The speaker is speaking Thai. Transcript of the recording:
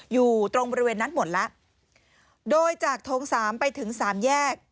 อยู่ตรงบริเวณนั้นหมดละโดยจากโทง๓ไปถึง๓แยก